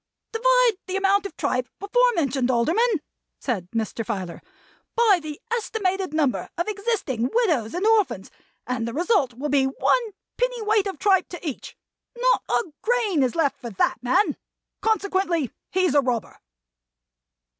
"Divide the amount of tripe before mentioned, Alderman," said Mr. Filer, "by the estimated number of existing widows and orphans, and the result will be one pennyweight of tripe to each. Not a grain is left for that man. Consequently, he's a robber."